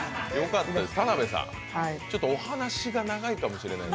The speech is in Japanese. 田辺さん、ちょっとお話が長いかもしれない。